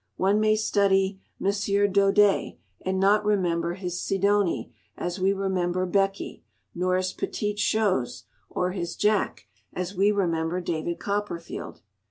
One may study M. Daudet, and not remember his Sidonie as we remember Becky, nor his Petit Chose or his Jack as we remember David Copperfield.